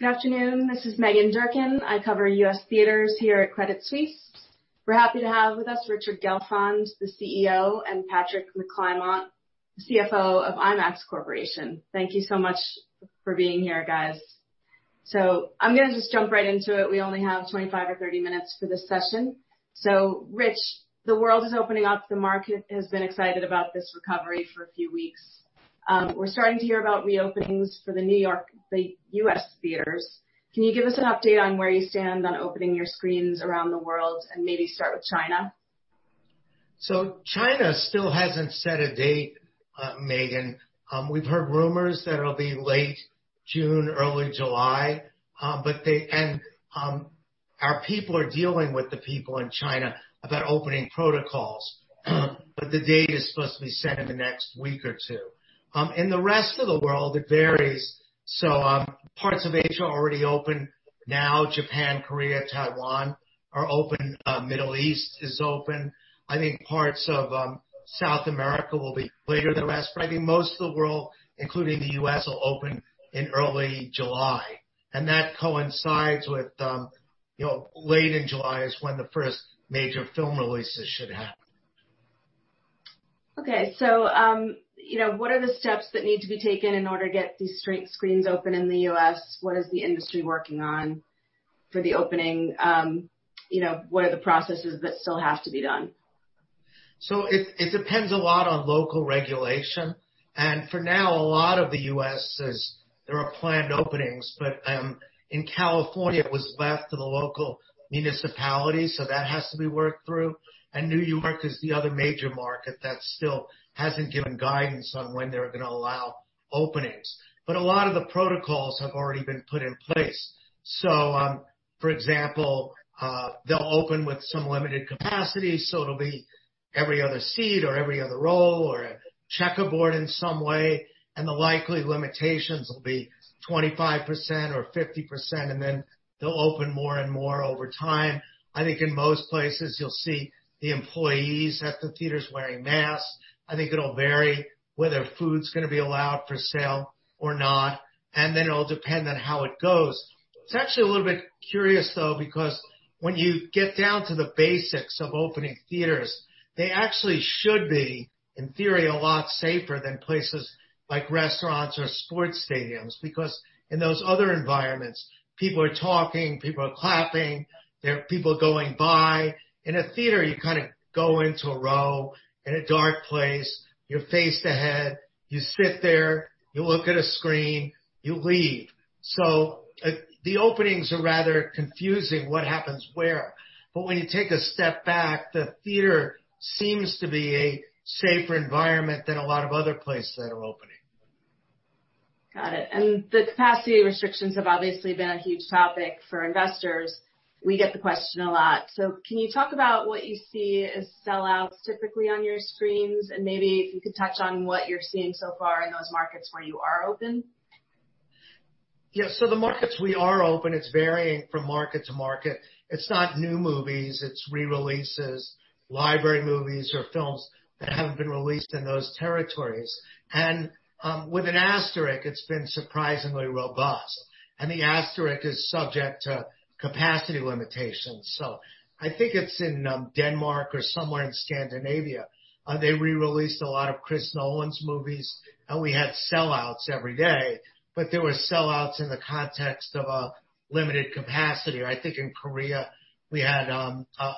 Good afternoon. This is Meghan Durkin. I cover U.S. theaters here at Credit Suisse. We're happy to have with us Richard Gelfond, the CEO, and Patrick McClymont, the CFO of IMAX Corporation. Thank you so much for being here, guys. So I'm going to just jump right into it. We only have 25 or 30 minutes for this session. So, Rich, the world is opening up. The market has been excited about this recovery for a few weeks. We're starting to hear about reopenings for the New York, the U.S. theaters. Can you give us an update on where you stand on opening your screens around the world, and maybe start with China? So China still hasn't set a date, Meghan. We've heard rumors that it'll be late June, early July. But they and our people are dealing with the people in China about opening protocols. But the date is supposed to be set in the next week or two. In the rest of the world, it varies. So parts of Asia are already open. Now, Japan, Korea, Taiwan are open. The Middle East is open. I think parts of South America will be later than the rest. But I think most of the world, including the U.S., will open in early July. And that coincides with, you know, late in July is when the first major film releases should happen. Okay. So, you know, what are the steps that need to be taken in order to get these screens open in the U.S.? What is the industry working on for the opening? You know, what are the processes that still have to be done? So it depends a lot on local regulation. For now, a lot of the U.S. is there are planned openings. In California, it was left to the local municipality. That has to be worked through. New York is the other major market that still hasn't given guidance on when they're going to allow openings. A lot of the protocols have already been put in place. So for example, they'll open with some limited capacity. It'll be every other seat or every other row or a checkerboard in some way. And the likely limitations will be 25% or 50%. And then they'll open more and more over time. I think in most places, you'll see the employees at the theaters wearing masks. I think it'll vary whether food's going to be allowed for sale or not. And then it'll depend on how it goes. It's actually a little bit curious, though, because when you get down to the basics of opening theaters, they actually should be, in theory, a lot safer than places like restaurants or sports stadiums. Because in those other environments, people are talking, people are clapping, there are people going by. In a theater, you kind of go into a row in a dark place. You're faced ahead. You sit there. You look at a screen. You leave. So the openings are rather confusing, what happens where. But when you take a step back, the theater seems to be a safer environment than a lot of other places that are opening. Got it. And the capacity restrictions have obviously been a huge topic for investors. We get the question a lot. So can you talk about what you see as sellouts typically on your screens? And maybe if you could touch on what you're seeing so far in those markets where you are open? Yes. So the markets we are open, it's varying from market to market. It's not new movies. It's re-releases, library movies or films that haven't been released in those territories, and with an asterisk, it's been surprisingly robust, and the asterisk is subject to capacity limitations. So I think it's in Denmark or somewhere in Scandinavia. They re-released a lot of Chris Nolan's movies, and we had sellouts every day, but there were sellouts in the context of a limited capacity. I think in Korea, we had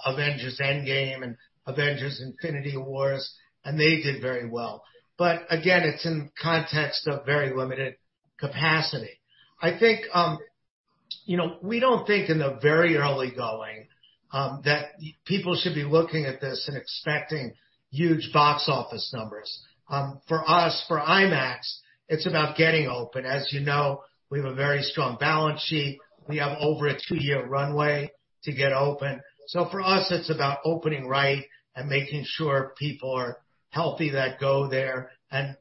Avengers: Endgame and Avengers: Infinity War. And they did very well, but again, it's in the context of very limited capacity. I think, you know, we don't think in the very early going that people should be looking at this and expecting huge box office numbers. For us, for IMAX, it's about getting open. As you know, we have a very strong balance sheet. We have over a two-year runway to get open, so for us, it's about opening right and making sure people are healthy that go there, and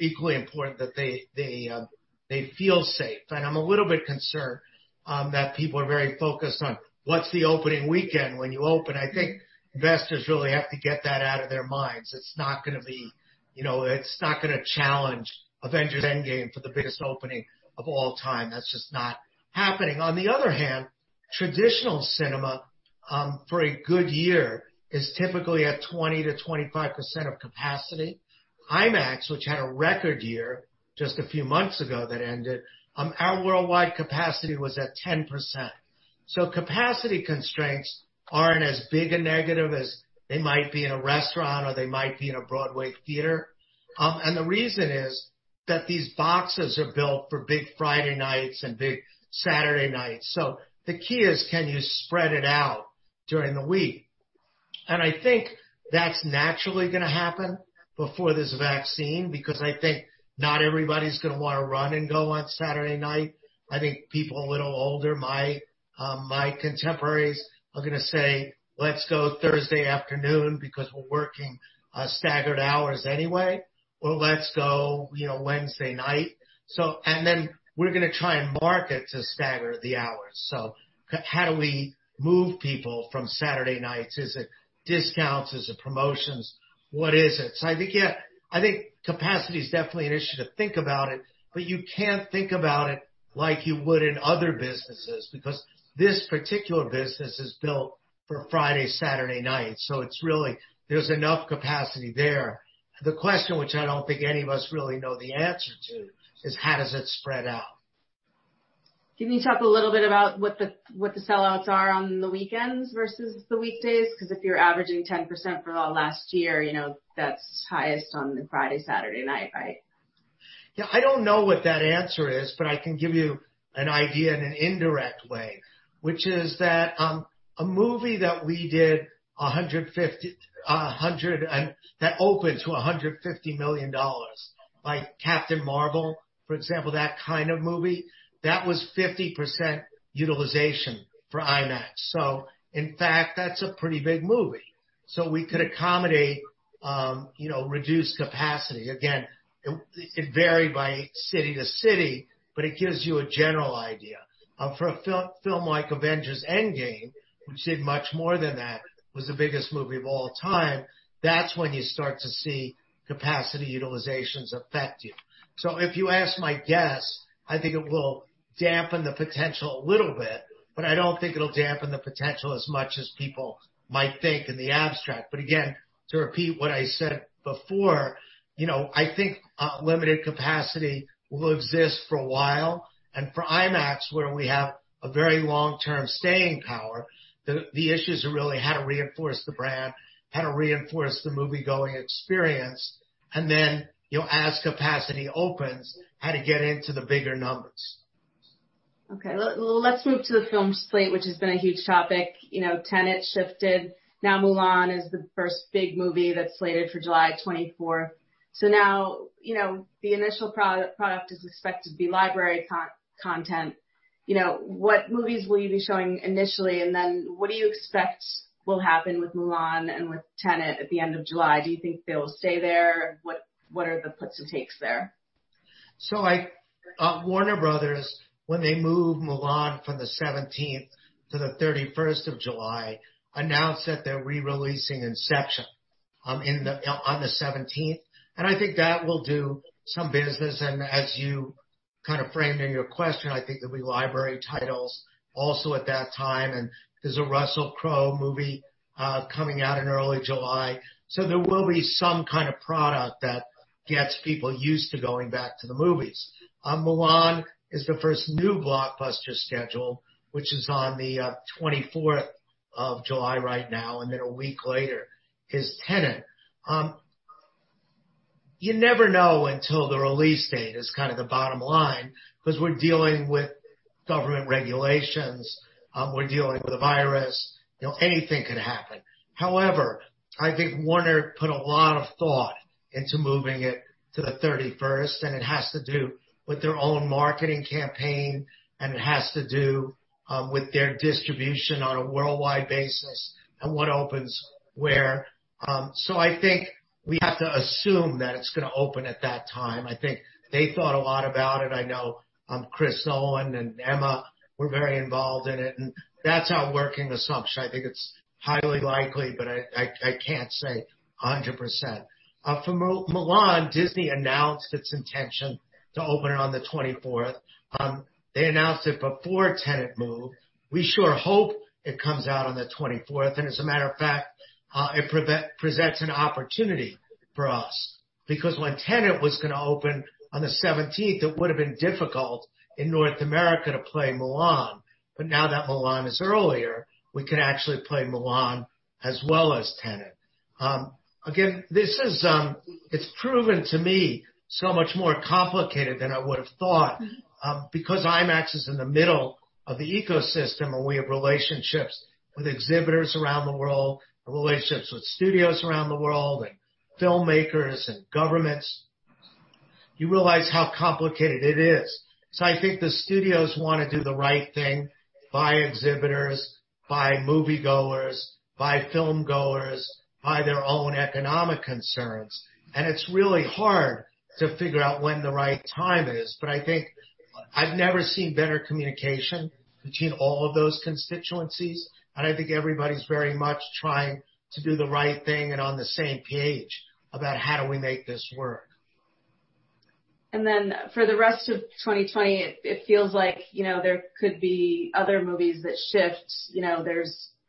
equally important that they feel safe, and I'm a little bit concerned that people are very focused on, what's the opening weekend when you open? I think investors really have to get that out of their minds. It's not going to be, you know, it's not going to challenge Avengers: Endgame for the biggest opening of all time. That's just not happening. On the other hand, traditional cinema for a good year is typically at 20%-25% of capacity. IMAX, which had a record year just a few months ago that ended, our worldwide capacity was at 10%. So capacity constraints aren't as big a negative as they might be in a restaurant or they might be in a Broadway theater. And the reason is that these boxes are built for big Friday nights and big Saturday nights. So the key is, can you spread it out during the week? And I think that's naturally going to happen before this vaccine. Because I think not everybody's going to want to run and go on Saturday night. I think people a little older, my contemporaries, are going to say, let's go Thursday afternoon because we're working staggered hours anyway. Or let's go, you know, Wednesday night. So, and then we're going to try and market to stagger the hours. So how do we move people from Saturday nights? Is it discounts? Is it promotions? What is it? So I think, yeah, I think capacity is definitely an issue to think about it. But you can't think about it like you would in other businesses. Because this particular business is built for Friday, Saturday nights. So it's really, there's enough capacity there. The question, which I don't think any of us really know the answer to, is how does it spread out? Can you talk a little bit about what, what the sellouts are on the weekends versus the weekdays? Because if you're averaging 10% for the last year, you know, that's highest on the Friday, Saturday night, right? Yeah. I don't know what that answer is. But I can give you an idea in an indirect way, which is that a movie that we did 150, 100, that opened to $150 million by Captain Marvel, for example, that kind of movie, that was 50% utilization for IMAX. So, in fact, that's a pretty big movie. So we could accommodate, you know, reduced capacity. Again, it varied by city to city, but it gives you a general idea. For a film like Avengers: Endgame, which did much more than that, was the biggest movie of all time, that's when you start to see capacity utilizations affect you. So if you ask my guess, I think it will dampen the potential a little bit. But I don't think it'll dampen the potential as much as people might think in the abstract. But again, to repeat what I said before, you know, I think limited capacity will exist for a while. And for IMAX, where we have a very long-term staying power, the issues are really how to reinforce the brand, how to reinforce the movie-going experience. And then, you know, as capacity opens, how to get into the bigger numbers. Okay. Well, let's move to the film slate, which has been a huge topic. You know, Tenet shifted. Now, Mulan is the first big movie that's slated for July 24th. So now, you know, the initial product is expected to be library content. You know, what movies will you be showing initially? And then what do you expect will happen with Mulan and with Tenet at the end of July? Do you think they'll stay there? What are the puts and takes there? So Warner Bros., when they move Mulan from the 17th to the 31st of July, announced that they're re-releasing Inception on the 17th. And I think that will do some business. And as you kind of framed in your question, I think there'll be library titles also at that time. And there's a Russell Crowe movie coming out in early July. So there will be some kind of product that gets people used to going back to the movies. Mulan is the first new blockbuster scheduled, which is on the 24th of July right now. And then a week later is Tenet. You never know until the release date is kind of the bottom line. Because we're dealing with government regulations. We're dealing with a virus. You know, anything could happen. However, I think Warner put a lot of thought into moving it to the 31st. And it has to do with their own marketing campaign. And it has to do with their distribution on a worldwide basis and what opens where. So I think we have to assume that it's going to open at that time. I think they thought a lot about it. I know Chris Nolan and Emma were very involved in it. And that's our working assumption. I think it's highly likely. But I can't say 100%. For Mulan, Disney announced its intention to open it on the 24th. They announced it before Tenet moved. We sure hope it comes out on the 24th. And as a matter of fact, it presents an opportunity for us. Because when Tenet was going to open on the 17th, it would have been difficult in North America to play Mulan. But now that Mulan is earlier, we can actually play Mulan as well as Tenet. Again, this is, it's proven to me so much more complicated than I would have thought, because IMAX is in the middle of the ecosystem, and we have relationships with exhibitors around the world, relationships with studios around the world, and filmmakers and governments. You realize how complicated it is, so I think the studios want to do the right thing by exhibitors, by moviegoers, by filmgoers, by their own economic concerns. And it's really hard to figure out when the right time is, but I think I've never seen better communication between all of those constituencies. And I think everybody's very much trying to do the right thing and on the same page about how do we make this work. And then for the rest of 2020, it feels like, you know, there could be other movies that shift. You know,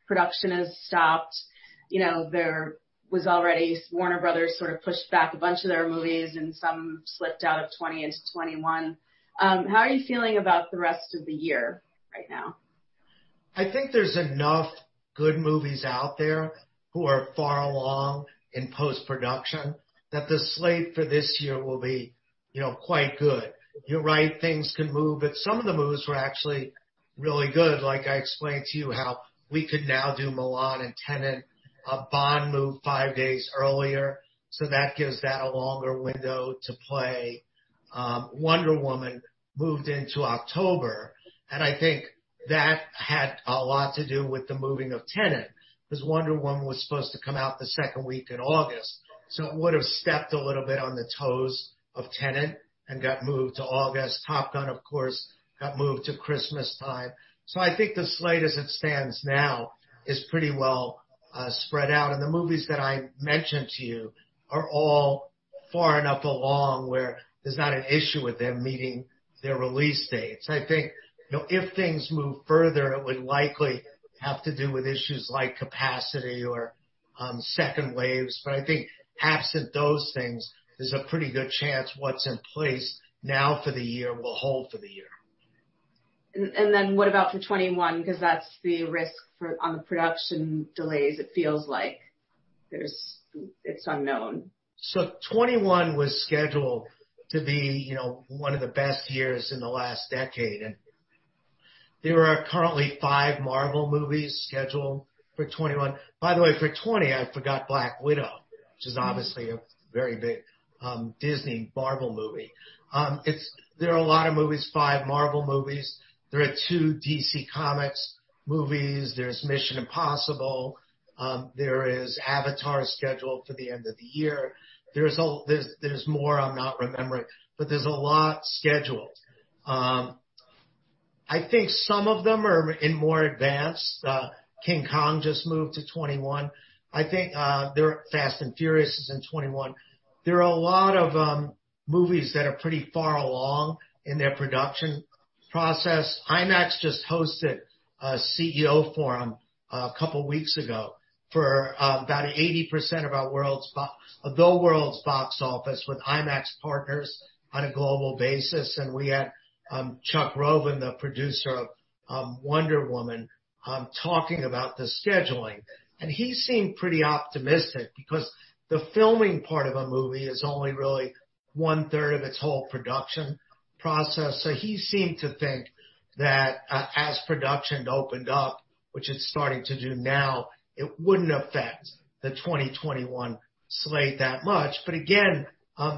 production has stopped. You know, there was already Warner Bros. sort of pushed back a bunch of their movies. And some slipped out of 2020 into 2021. How are you feeling about the rest of the year right now? I think there's enough good movies out there who are far along in post-production that the slate for this year will be, you know, quite good. You're right. Things can move. But some of the movies were actually really good. Like I explained to you how we could now do Mulan and Tenet. Bond moved five days earlier. So that gives that a longer window to play. Wonder Woman moved into October. And I think that had a lot to do with the moving of Tenet. Because Wonder Woman was supposed to come out the second week in August. So it would have stepped a little bit on the toes of Tenet and got moved to August. Top Gun, of course, got moved to Christmas time. So I think the slate as it stands now is pretty well spread out. And the movies that I mentioned to you are all far enough along where there's not an issue with them meeting their release dates. I think, you know, if things move further, it would likely have to do with issues like capacity or second waves. But I think absent those things, there's a pretty good chance what's in place now for the year will hold for the year. And then what about for 2021? Because that's the risk for on the production delays, it feels like there's, it's unknown. So 2021 was scheduled to be, you know, one of the best years in the last decade. There are currently five Marvel movies scheduled for 2021. By the way, for 2020, I forgot Black Widow, which is obviously a very big Disney Marvel movie. There are a lot of movies, five Marvel movies. There are two DC Comics movies. There's Mission: Impossible. There is Avatar scheduled for the end of the year. There's more. I'm not remembering. But there's a lot scheduled. I think some of them are in more advanced. King Kong just moved to 2021. I think Fast and Furious is in 2021. There are a lot of movies that are pretty far along in their production process. IMAX just hosted a CEO forum a couple of weeks ago for about 80% of the world's box office with IMAX partners on a global basis. And we had Chuck Roven, the producer of Wonder Woman, talking about the scheduling. And he seemed pretty optimistic. Because the filming part of a movie is only really one-third of its whole production process. He seemed to think that as production opened up, which it's starting to do now, it wouldn't affect the 2021 slate that much. But again,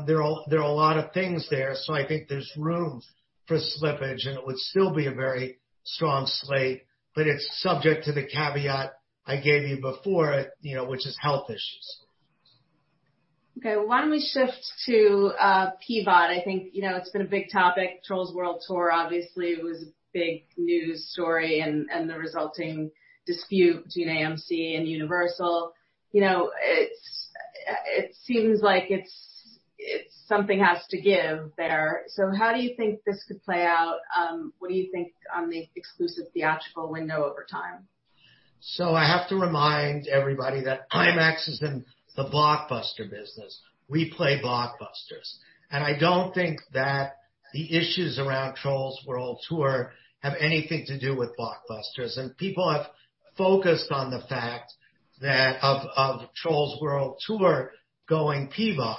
there are a lot of things there. I think there's room for slippage. It would still be a very strong slate. But it's subject to the caveat I gave you before, you know, which is health issues. Okay. Why don't we shift to PVOD? I think, you know, it's been a big topic. Trolls World Tour, obviously, was a big news story and the resulting dispute between AMC and Universal. You know, it it seems like something has to give there. So how do you think this could play out? What do you think on the exclusive theatrical window over time? So I have to remind everybody that IMAX is in the blockbuster business. We play blockbusters. And I don't think that the issues around Trolls World Tour have anything to do with blockbusters. And people have focused on the fact that of Trolls World Tour going PVOD.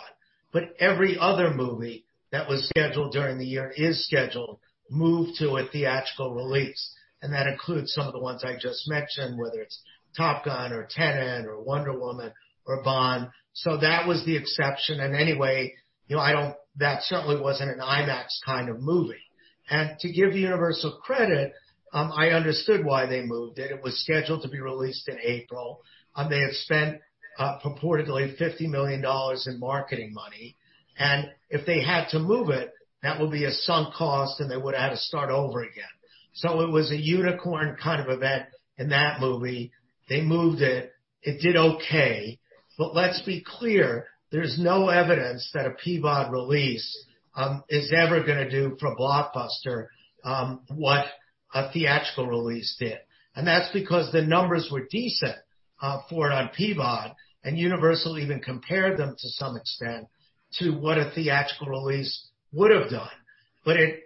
But every other movie that was scheduled during the year is scheduled to move to a theatrical release. And that includes some of the ones I just mentioned, whether it's Top Gun or Tenet or Wonder Woman or Bond. So that was the exception. And anyway, you know, I don't, that certainly wasn't an IMAX kind of movie. And to give Universal credit, I understood why they moved it. It was scheduled to be released in April. They had spent purportedly $50 million in marketing money. And if they had to move it, that would be a sunk cost. And they would have had to start over again. So it was a unicorn kind of event in that movie. They moved it. It did okay. But let's be clear, there's no evidence that a PVOD release is ever going to do for a blockbuster what a theatrical release did. And that's because the numbers were decent for it on PVOD. And Universal even compared them to some extent to what a theatrical release would have done. But it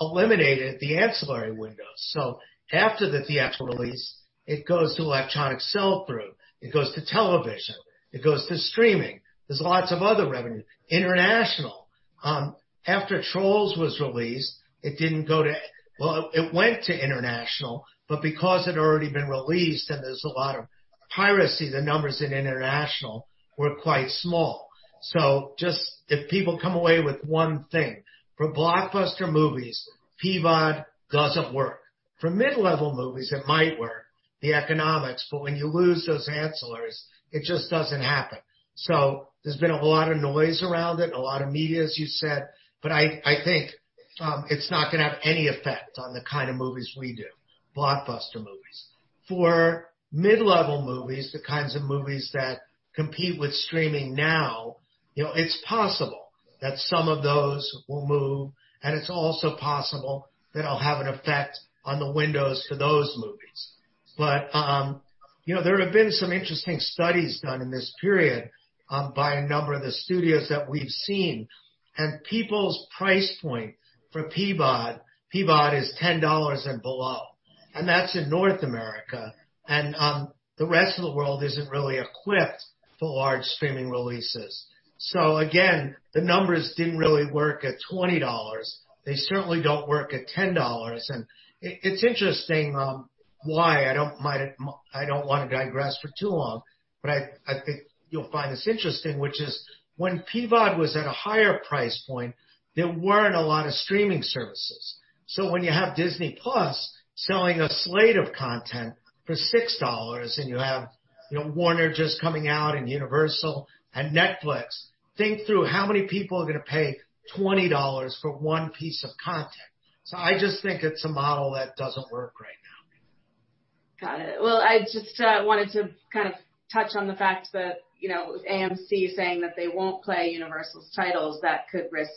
eliminated the ancillary windows. So after the theatrical release, it goes to electronic sell-through. It goes to television. It goes to streaming. There's lots of other revenue. International. After Trolls was released, it didn't go to, well, it went to international. But because it had already been released and there's a lot of piracy, the numbers in international were quite small. So just if people come away with one thing, for blockbuster movies, PVOD doesn't work. For mid-level movies, it might work, the economics. But when you lose those ancillaries, it just doesn't happen. So there's been a lot of noise around it and a lot of media, as you said. But I think it's not going to have any effect on the kind of movies we do, blockbuster movies. For mid-level movies, the kinds of movies that compete with streaming now, you know, it's possible that some of those will move. It's also possible that it'll have an effect on the windows for those movies. But you know, there have been some interesting studies done in this period by a number of the studios that we've seen. And people's price point for PVOD, PVOD is $10 and below. That's in North America. And the rest of the world isn't really equipped for large streaming releases. So again, the numbers didn't really work at $20. They certainly don't work at $10. And it's interesting why. I don't want to digress for too long. But I think you'll find this interesting, which is when PVOD was at a higher price point, there weren't a lot of streaming services. So when you have Disney+ selling a slate of content for $6 and you have, you know, Warner just coming out and Universal and Netflix, think through how many people are going to pay $20 for one piece of content. So I just think it's a model that doesn't work right now. Got it. Well, I just wanted to kind of touch on the fact that, you know, AMC saying that they won't play Universal's titles, that could risk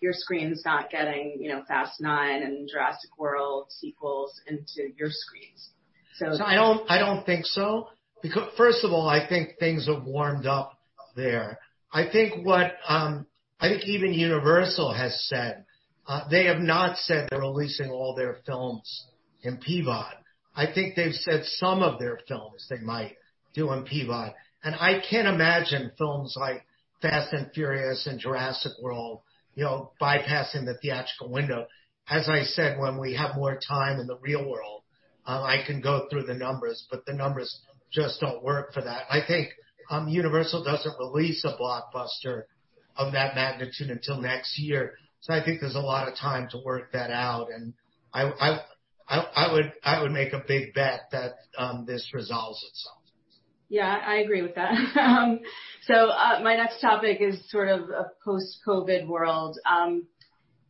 your screens not getting, you know, Fast 9 and Jurassic World sequels into your screens. So I don't think so. Because first of all, I think things have warmed up there. I think, I think even Universal has said, they have not said they're releasing all their films in PVOD. I think they've said some of their films they might do in PVOD. And I can't imagine films like Fast and Furious and Jurassic World, you know, bypassing the theatrical window. As I said, when we have more time in the real world, I can go through the numbers. But the numbers just don't work for that. I think Universal doesn't release a blockbuster of that magnitude until next year. So I think there's a lot of time to work that out. And I would, I would make a big bet that this resolves itself. Yeah, I agree with that. So my next topic is sort of a post-COVID world.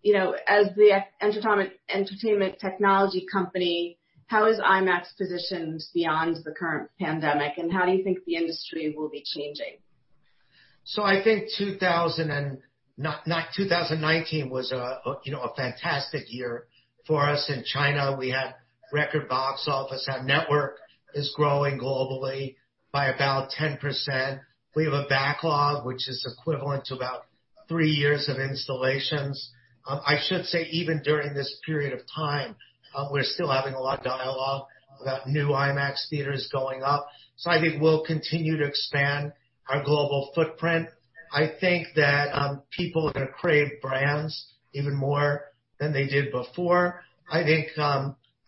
You know, as the entertainment technology company, how is IMAX positioned beyond the current pandemic? And how do you think the industry will be changing? So I think 2019, 2019 was a, you know, a fantastic year for us in China. We had record box office. Our network is growing globally by about 10%. We have a backlog, which is equivalent to about three years of installations. I should say even during this period of time, we're still having a lot of dialogue about new IMAX theaters going up. So I think we'll continue to expand our global footprint. I think that people are going to crave brands even more than they did before. I think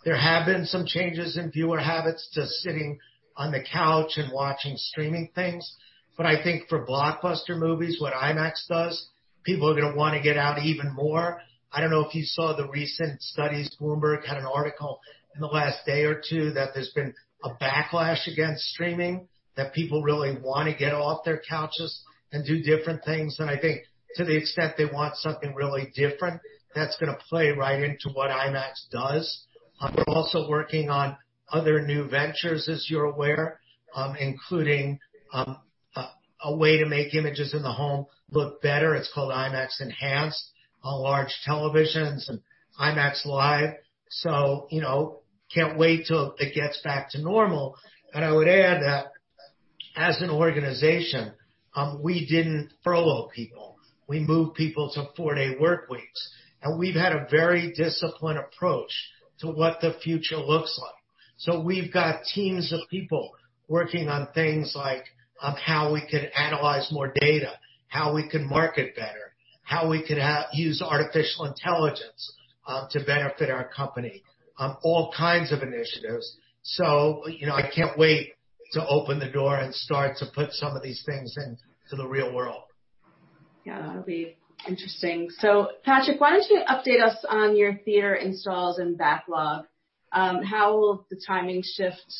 there have been some changes in viewer habits to sitting on the couch and watching streaming things. But I think for blockbuster movies, what IMAX does, people are going to want to get out even more. I don't know if you saw the recent studies. Bloomberg had an article in the last day or two that there's been a backlash against streaming, that people really want to get off their couches and do different things. And I think to the extent they want something really different, that's going to play right into what IMAX does. We're also working on other new ventures, as you're aware, including a way to make images in the home look better. It's called IMAX Enhanced on large televisions and IMAX Live. So, you know, can't wait till it gets back to normal. And I would add that as an organization, we didn't furlough people. We moved people to four-day work weeks. And we've had a very disciplined approach to what the future looks like. So we've got teams of people working on things like how we could analyze more data, how we could market better, how we could use artificial intelligence to benefit our company, all kinds of initiatives. So, you know, I can't wait to open the door and start to put some of these things into the real world. Yeah, that'll be interesting. So Patrick, why don't you update us on your theater installs and backlog? How will the timing shift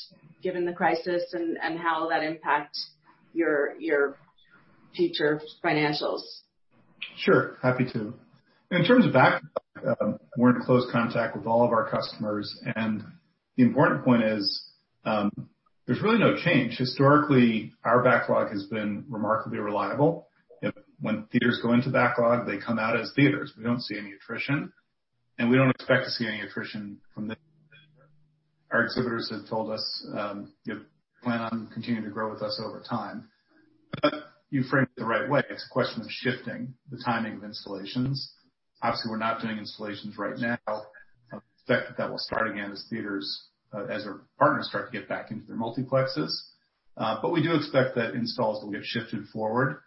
given the crisis and how will that impact your your future financials? Sure. Happy to. In terms of backlog, we're in close contact with all of our customers. And the important point is there's really no change. Historically, our backlog has been remarkably reliable. When theaters go into backlog, they come out as theaters. We don't see any attrition. And we don't expect to see any attrition from this. Our exhibitors have told us, you know, plan on continuing to grow with us over time. But you framed it the right way. It's a question of shifting the timing of installations. Obviously, we're not doing installations right now. We expect that will start again as theaters, as our partners start to get back into their multiplexes. But we do expect that installs will get shifted forward.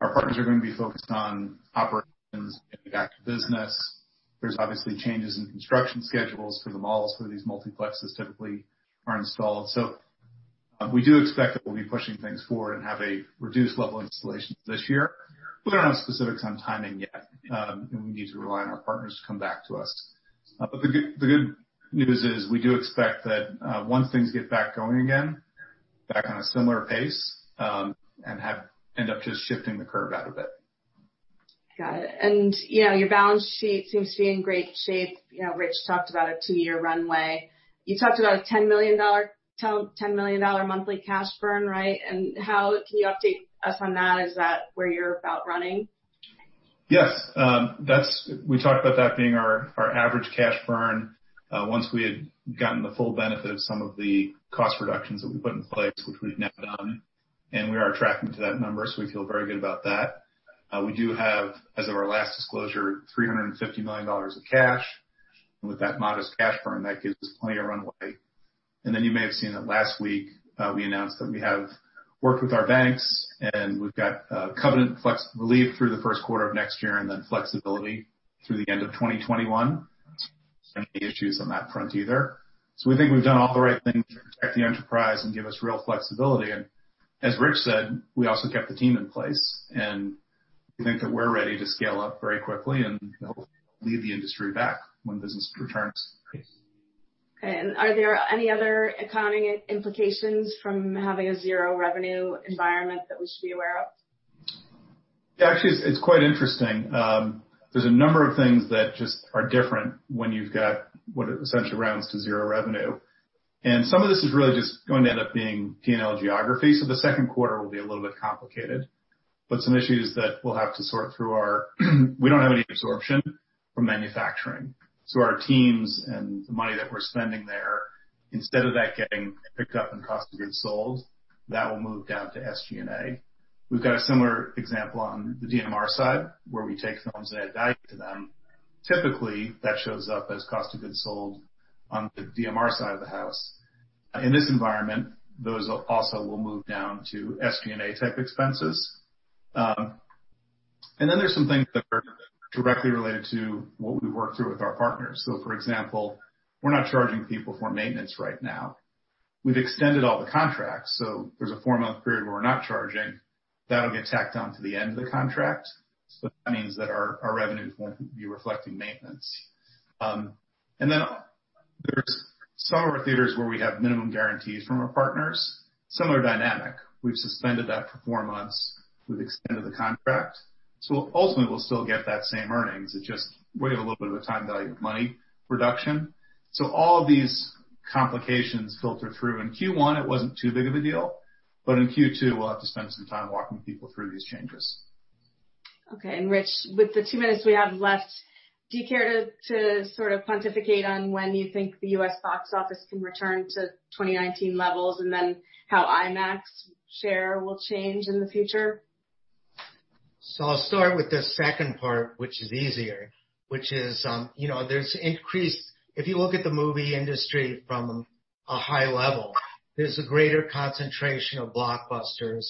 Our partners are going to be focused on operations and back to business. There's obviously changes in construction schedules for the malls where these multiplexes typically are installed, so we do expect that we'll be pushing things forward and have a reduced level of installations this year. We don't have specifics on timing yet, and we need to rely on our partners to come back to us, but the good news is we do expect that once things get back going again, back on a similar pace, and end up just shifting the curve out a bit. Got it. And, you know, your balance sheet seems to be in great shape. You know, Rich talked about a two-year runway. You talked about a $10 million monthly cash burn, right? And how can you update us on that? Is that where you're about running? Yes. That's, we talked about that being our average cash burn once we had gotten the full benefit of some of the cost reductions that we put in place, which we've now done. And we are tracking to that number. So we feel very good about that. We do have, as of our last disclosure, $350 million of cash. And with that modest cash burn, that gives us plenty of runway. And then you may have seen that last week we announced that we have worked with our banks. And we've got covenant relief through the first quarter of next year and then flexibility through the end of 2021. There's any issues on that front either. So we think we've done all the right things to protect the enterprise and give us real flexibility. And as Rich said, we also kept the team in place. And we think that we're ready to scale up very quickly and hopefully lead the industry back when business returns. Okay, and are there any other accounting implications from having a zero revenue environment that we should be aware of? Yeah, actually, it's quite interesting. There's a number of things that just are different when you've got what essentially rounds to zero revenue, and some of this is really just going to end up being P&L geography, so the second quarter will be a little bit complicated, but some issues that we'll have to sort through are, we don't have any absorption from manufacturing. So our teams and the money that we're spending there, instead of that getting picked up in cost of goods sold, that will move down to SG&A. We've got a similar example on the DMR side where we take films and add value to them. Typically, that shows up as cost of goods sold on the DMR side of the house. In this environment, those also will move down to SG&A type expenses. And then there are some things that are directly related to what we've worked through with our partners. So for example, we're not charging people for maintenance right now. We've extended all the contracts. So there's a four-month period where we're not charging. That'll get tacked on to the end of the contract. So that means that our revenue won't be reflecting maintenance. And then there are some of our theaters where we have minimum guarantees from our partners. Similar dynamic. We've suspended that for four months with the extension of the contract. So ultimately, we'll still get that same earnings. It's just we're getting a little bit of a time value of money reduction. So all of these complications filter through. In Q1, it wasn't too big of a deal. But in Q2, we'll have to spend some time walking people through these changes. Okay, and Rich, with the two minutes we have left, do you care to sort of pontificate on when you think the U.S. box office can return to 2019 levels and then how IMAX share will change in the future? So I'll start with the second part, which is easier, which is. You know, there's increased. If you look at the movie industry from a high level, there's a greater concentration of blockbusters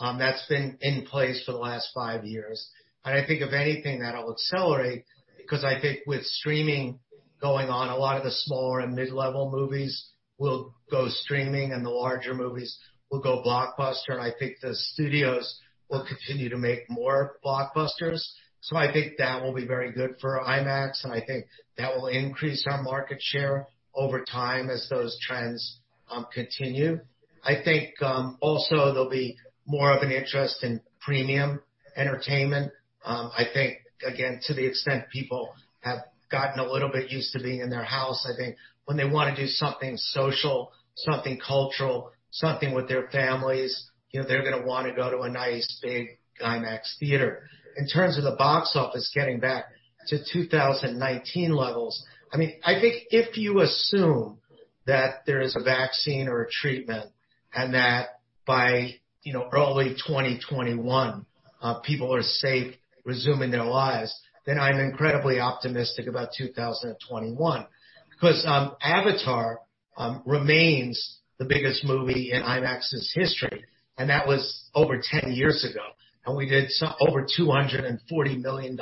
that's been in place for the last five years. And I think if anything, that'll accelerate because I think with streaming going on, a lot of the smaller and mid-level movies will go streaming and the larger movies will go blockbuster. And I think the studios will continue to make more blockbusters. So I think that will be very good for IMAX. And I think that will increase our market share over time as those trends continue. I think also there'll be more of an interest in premium entertainment. I think, again, to the extent people have gotten a little bit used to being in their house, I think when they want to do something social, something cultural, something with their families, you know, they're going to want to go to a nice big IMAX theater. In terms of the box office getting back to 2019 levels, I mean, I think if you assume that there is a vaccine or a treatment and that by, you know, early 2021, people are safe resuming their lives, then I'm incredibly optimistic about 2021. Because Avatar remains the biggest movie in IMAX's history. And that was over 10 years ago. And we did over $240 million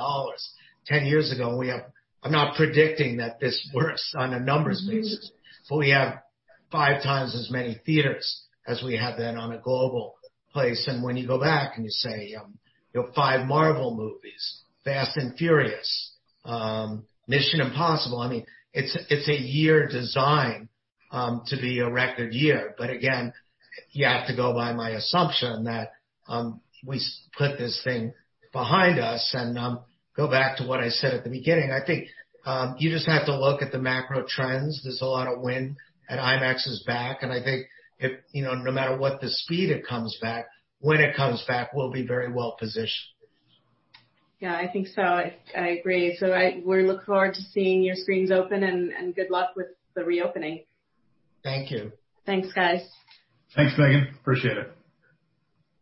10 years ago. And we have, I'm not predicting that this works on a numbers basis. But we have five times as many theaters as we have then on a global basis. And when you go back and you say, you know, five Marvel movies, Fast and Furious, Mission Impossible, I mean, it's it's a year designed to be a record year. But again, you have to go by my assumption that we put this thing behind us. And go back to what I said at the beginning. I think you just have to look at the macro trends. There's a lot of wind at IMAX's back. And I think if, you know, no matter what the speed it comes back, when it comes back, we'll be very well positioned. Yeah, I think so. I agree. So we look forward to seeing your screens open. And good luck with the reopening. Thank you. Thanks, guys. Thanks, Meghan. Appreciate it.